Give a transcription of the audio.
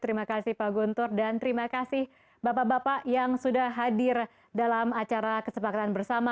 terima kasih pak guntur dan terima kasih bapak bapak yang sudah hadir dalam acara kesepakatan bersama